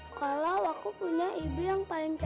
kalo aku punya ibu yang paling cantik